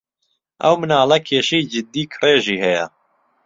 ئەو مناڵە کێشەی جددی کڕێژی ھەیە.